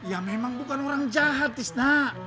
ya memang bukan orang jahat isna